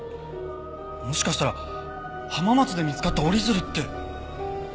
もしかしたら浜松で見つかった折り鶴って。